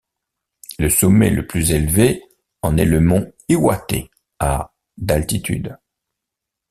Le sommet le plus élevé en est le mont Iwate, à d'altitude.